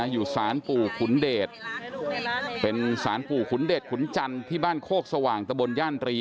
อยู่สารปู่ขุนเดชเป็นสารปู่ขุนเดชขุนจันทร์ที่บ้านโคกสว่างตะบนย่านตรี